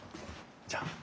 じゃあ。